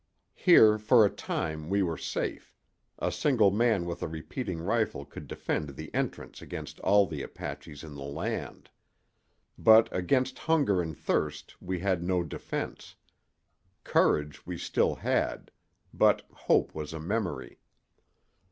Here for a time we were safe: a single man with a repeating rifle could defend the entrance against all the Apaches in the land. But against hunger and thirst we had no defense. Courage we still had, but hope was a memory.